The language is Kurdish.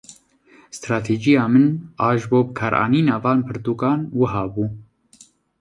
Stratejiya min a ji bo bikaranîna van pirtûkan wiha bû.